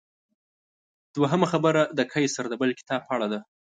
دویمه خبره د قیصر د بل کتاب په اړه ده.